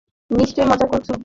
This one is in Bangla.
নিশ্চয় মজা করছো।